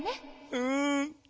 うん。